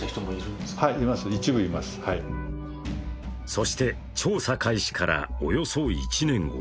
そして、調査開始からおよそ１年後。